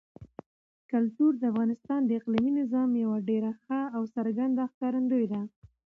کلتور د افغانستان د اقلیمي نظام یوه ډېره ښه او څرګنده ښکارندوی ده.